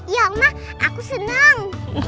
ya ma aku senang